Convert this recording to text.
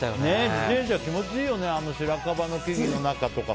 自転車気持ちいいよね白樺の木々の中とか。